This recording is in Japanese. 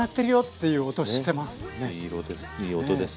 いい色です